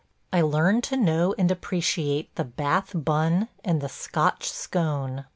I learn to know and appreciate the Bath bun and the Scotch scone.